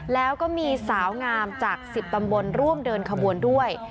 แล้วก็มีสาวงามจาก๑๐ตำบลร่วมเดินขบวนด้วย